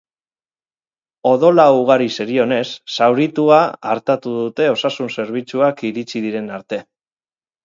Odola ugari zerionez, zauritua artatu dute osasun-zerbitzuak iritsi diren arte.